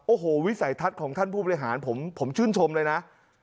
โอ้โหวิสัยทัศน์ของท่านผู้บริหารผมชื่นชมเลยนะ